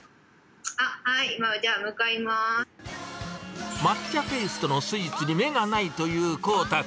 あっ、はい、じゃあ向かいま抹茶ペーストのスイーツに目がないという航大君。